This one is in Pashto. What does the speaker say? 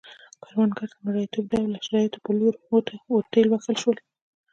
کروندګر د مریتوب ډوله شرایطو په لور ورټېل وهل شول